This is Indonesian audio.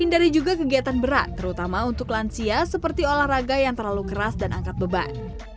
hindari juga kegiatan berat terutama untuk lansia seperti olahraga yang terlalu keras dan angkat beban